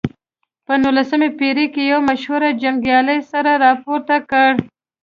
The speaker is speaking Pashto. په نولسمه پېړۍ کې یو مشهور جنګیالي سر راپورته کړ.